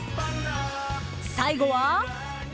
［最後は］